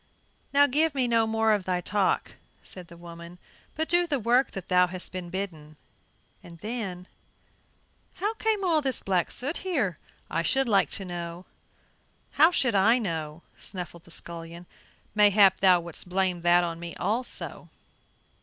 "Now give me no more of thy talk," said the woman, "but do the work that thou hast been bidden." Then "How came all this black soot here, I should like to know?" "How should I know?" snuffled the scullion, "mayhap thou wouldst blame that on me also?"